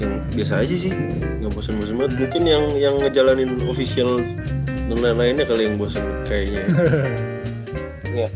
yang biasa aja sih yang bosan bosan banget mungkin yang ngejalanin official dengan lain lainnya kali yang bosan kayaknya